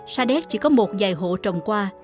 sa đéc chỉ có một vài hộ trồng qua